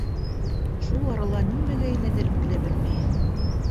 Шул арала нимәгә әйләнереңде лә белмәйһең...